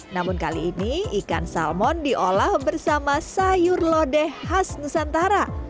namun kali ini ikan salmon diolah bersama sayur lodeh khas nusantara